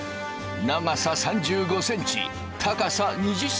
長さ３５センチ高さ２０センチ。